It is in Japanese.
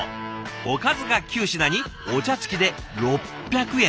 おかずが９品にお茶付きで６００円！